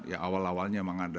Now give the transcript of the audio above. ya awal awalnya mengandalkan